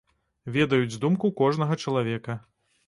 Ведаюць думку кожнага чалавека.